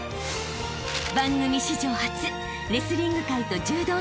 ［番組史上初レスリング界と柔道界］